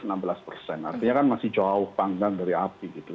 artinya kan masih cowok panggang dari api